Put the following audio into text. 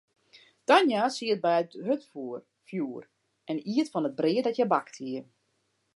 Tania siet by it hurdfjoer en iet fan it brea dat hja bakt hie.